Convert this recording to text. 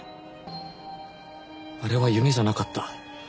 あれは夢じゃなかった。